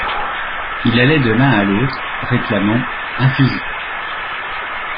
Il allait de l’un à l’autre, réclamant: — Un fusil!